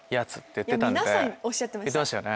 言ってましたよね